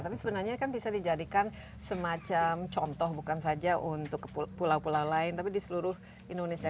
tapi sebenarnya kan bisa dijadikan semacam contoh bukan saja untuk pulau pulau lain tapi di seluruh indonesia